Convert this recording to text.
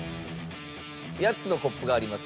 ８つのコップがあります。